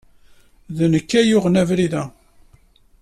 D nekk ay yuɣen abrid-a.